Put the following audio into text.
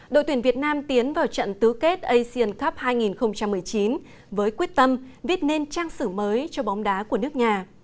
đội tuyển việt nam tiến vào trận tứ kết asian cup hai nghìn một mươi chín với quyết tâm viết nên trang sử mới cho bóng đá của nước nhà